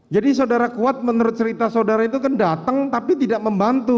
jadi saudara kuat menurut cerita saudara itu kan datang tapi tidak membantu